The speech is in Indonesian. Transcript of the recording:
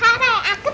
tante rosa ulang tahun